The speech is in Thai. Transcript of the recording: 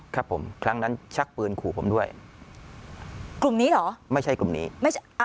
ครับผมครั้งนั้นชักปืนขู่ผมด้วยกลุ่มนี้เหรอไม่ใช่กลุ่มนี้ไม่ใช่อ่ะ